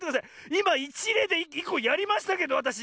いまいちれいでいっこやりましたけどわたし。